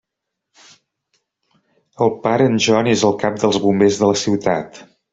El pare, en John, és el cap dels bombers de la ciutat.